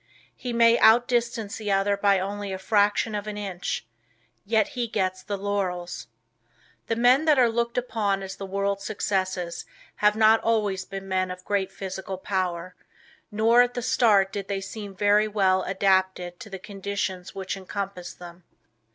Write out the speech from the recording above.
He may outdistance the other by only a fraction of an inch, yet he gets the laurels. The men that are looked upon as the world's successes have not always been men of great physical power, nor at the start did they seem very well adapted to the conditions which encompassed them.